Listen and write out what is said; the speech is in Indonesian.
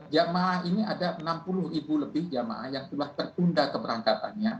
jamaah ini ada enam puluh ibu lebih yang telah terunda keberangkatannya